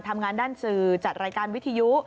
ทำงานด้านสื่อจัดรายการวิทยุ